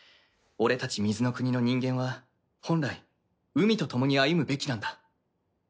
俺たち水の国の人間は本来海とともに歩むべきなんだ。